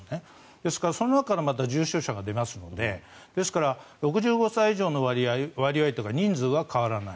ですからその中からまた重症者が出ますのでですから６５歳以上の割合や人数は変わらない。